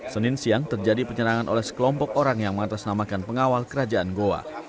senin siang terjadi penyerangan oleh sekelompok orang yang mengatasnamakan pengawal kerajaan goa